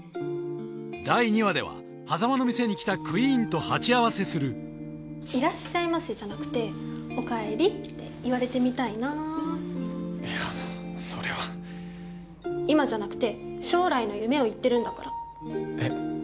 第２話では波佐間の店に来たクイーンと鉢合わせするいらっしゃいませじゃなくてお帰りって言われてみたいないやあそれは今じゃなくて将来の夢を言ってるんだからえっ？